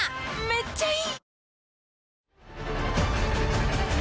めっちゃいい！